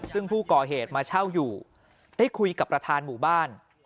ซึ่งผู้ก่อเหตุมาเช่าอยู่ได้คุยกับประธานหมู่บ้าน